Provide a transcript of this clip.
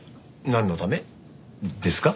なんのためですか？